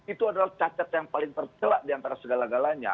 itu adalah cacat yang paling tercelak diantara segala galanya